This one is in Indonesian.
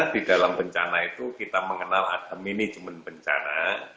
di dalam bencana itu kita mengenal ada manajemen bencana